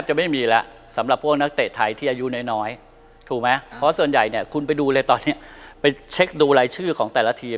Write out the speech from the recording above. ชัดนะคือถ้าว่ากันจริง